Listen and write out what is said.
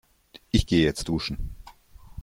Ich gehe jetzt duschen.